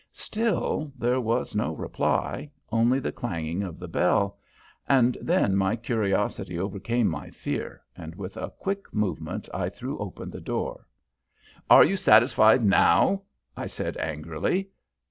Still there was no reply, only the clanging of the bell; and then my curiosity overcame my fear, and with a quick movement I threw open the door. "Are you satisfied now?" I said, angrily.